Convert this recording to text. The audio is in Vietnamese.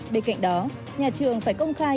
bên cạnh đó nhà trường phải công khai